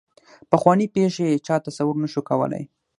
پخوانۍ پېښې یې چا تصور نه شو کولای.